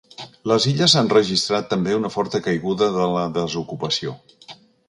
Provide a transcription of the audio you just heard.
Les Illes han registrat també una forta caiguda de la desocupació.